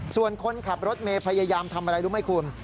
ส่วนคนขับรถเมย์พยายามทำอะไรรู้ไหมคุณ